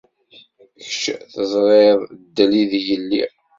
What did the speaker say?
Kečč teẓriḍ ddel ideg lliɣ.